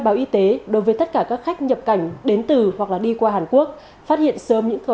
báo y tế đối với tất cả các khách nhập cảnh đến từ hoặc đi qua hàn quốc phát hiện sớm những khẩu